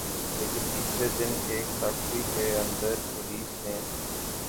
لیکن تیسرے دن ایک فیکٹری کے اندر پولیس نے